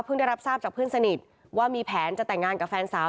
ได้รับทราบจากเพื่อนสนิทว่ามีแผนจะแต่งงานกับแฟนสาว